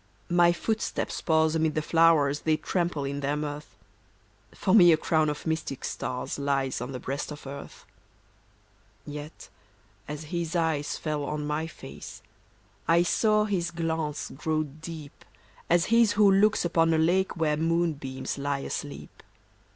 My footsteps pause amid the flowers They trample in their mirth ; For me a crown of mystic stars Lies on the breast of earth. Yet as his eyes fell on my face, I saw his glance grow deep As his who looks upon a lake Where moonbeams lie asleep. 88 MYRNA.